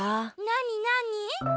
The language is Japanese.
なになに？